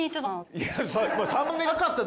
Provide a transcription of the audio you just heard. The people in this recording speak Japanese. いや。